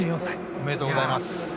おめでとうございます。